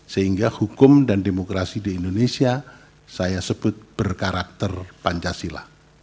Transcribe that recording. sehingga hukum dan demokrasi di indonesia saya sebut berkarakter pancasila